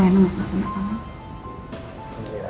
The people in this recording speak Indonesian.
untung rena gak pernah kena